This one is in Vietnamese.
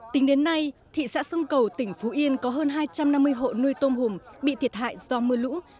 tính đến nay thị xã sông cầu tỉnh phú yên có hơn hai trăm năm mươi hộ nuôi tôm hùm bị thiệt hại do mưa lũ